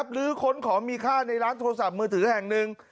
หรือค้นของมีค่าในร้านโทรศัพท์มือถือแห่งหนึ่ง